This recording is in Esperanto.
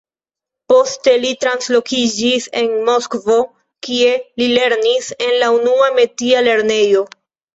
Poste li translokiĝis al Moskvo, kie li lernis en la Unua Metia lernejo.